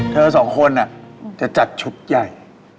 เธอสองคนจะจัดชุดใหญ่